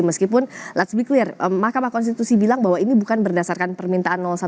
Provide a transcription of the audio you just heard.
meskipun let s be clear mahkamah konstitusi bilang bahwa ini bukan berdasarkan permintaan satu